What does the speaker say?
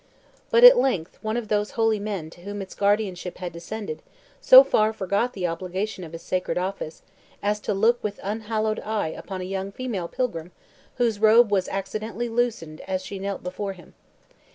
But at length one of those holy men to whom its guardianship had descended so far forgot the obligation of his sacred office as to look with unhallowed eye upon a young female pilgrim whose robe was accidentally loosened as she knelt before him.